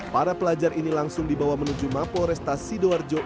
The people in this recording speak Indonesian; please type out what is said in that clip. para pelajar ini langsung dibawa menuju mapo resta sidoarjo